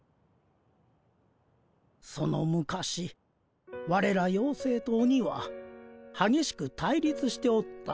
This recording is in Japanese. その昔われらようせいと鬼ははげしく対立しておった。